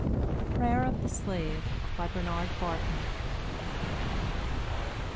PRAYER OF THE SLAVE. BY BERNARD BARTON.